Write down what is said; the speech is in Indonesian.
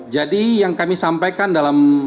jadi yang kami sampaikan dalam